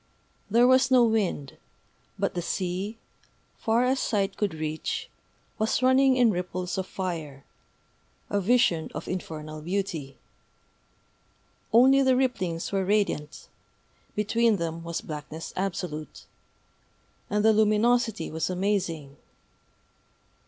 There was no wind; but the sea, far as sight could reach, was running in ripples of fire, a vision of infernal beauty. Only the ripplings were radiant (between them was blackness absolute); and the luminosity was amazing.